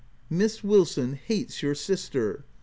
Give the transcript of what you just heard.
" Miss Wilson hates your sister.